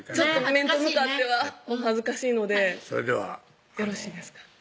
面と向かっては恥ずかしいのでそれではよろしいですか？